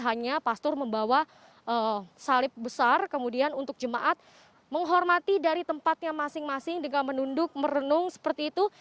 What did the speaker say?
hanya pastur membawa salib besar kemudian untuk jemaat menghormati dari tempatnya masing masing dengan menunduk merenung seperti itu